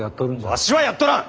わしはやっとらん！